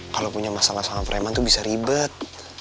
kalau punya masalah sama freman tuh bisa ribet